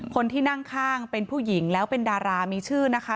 คนที่นั่งข้างเป็นผู้หญิงแล้วเป็นดารามีชื่อนะคะ